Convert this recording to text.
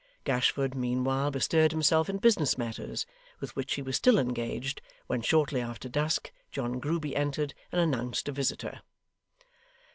Gashford, meanwhile, bestirred himself in business matters; with which he was still engaged when, shortly after dusk, John Grueby entered and announced a visitor.